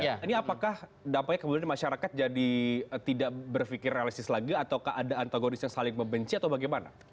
ini apakah dampaknya kemudian masyarakat jadi tidak berpikir realistis lagi atau keadaan antagonis yang saling membenci atau bagaimana